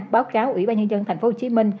báo cáo ủy ban nhân dân tp hcm